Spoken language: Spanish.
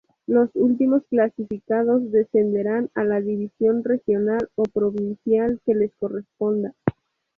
Los últimos clasificados descenderán a la División Regional o Provincial que les corresponda.